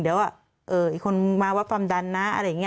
เดี๋ยวอีกคนมาวัดความดันนะอะไรอย่างนี้